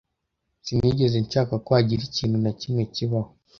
Sinigeze nshaka ko hagira ikintu na kimwe kibaho